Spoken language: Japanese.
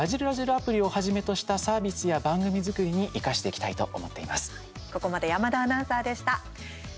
アプリをはじめとしたサービスや番組作りに生かしていきたいと思っています。